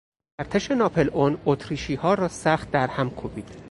ارتش ناپلئون اتریشیها را سخت درهم کوبید.